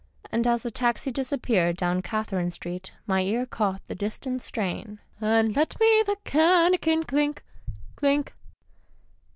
'" And as the taxi disappeared down Catherine Street, my ear caught the distant strain, " And let me the canakin clink, clink."